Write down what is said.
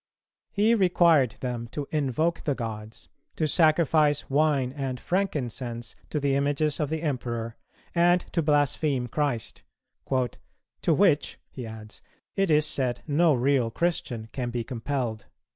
He required them to invoke the gods, to sacrifice wine and frankincense to the images of the Emperor, and to blaspheme Christ; "to which," he adds, "it is said no real Christian can be compelled."